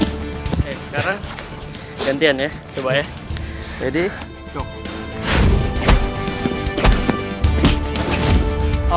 oke sekarang gantian ya coba ya ready go